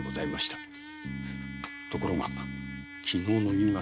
ところが昨日の夕方。